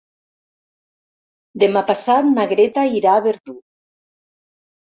Demà passat na Greta irà a Verdú.